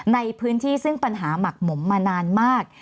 ในพื้นที่ซึ่งปัญหาหมักหมมมานานมาก